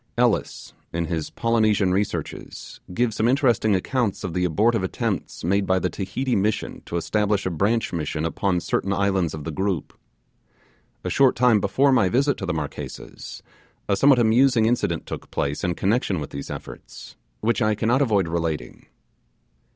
Ellis, in his 'Polynesian Researches', gives some interesting accounts of the abortive attempts made by the ''Tahiti Mission'' to establish a branch Mission upon certain islands of the group. A short time before my visit to the Marquesas, a somewhat amusing incident took place in connection with these efforts, which I cannot avoid relating.